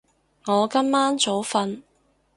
我今晚早瞓